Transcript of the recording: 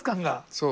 そう！